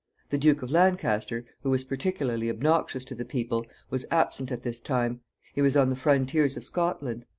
The Duke of Lancaster, who was particularly obnoxious to the people, was absent at this time. He was on the frontiers of Scotland.